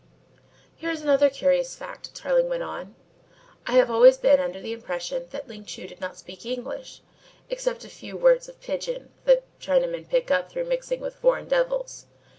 "Here is another curious fact," Tarling went on. "I have always been under the impression that Ling Chu did not speak English, except a few words of 'pigeon' that Chinamen pick up through mixing with foreign devils.